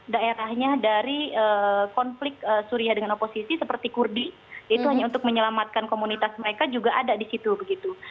daerahnya dari konflik suriah dengan oposisi seperti kurdi itu hanya untuk menyelamatkan komunitas mereka juga ada di situ begitu